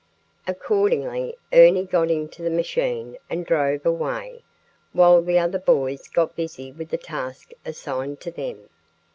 Accordingly Ernie got into the machine and drove away, while the other boys got busy with the task assigned to them.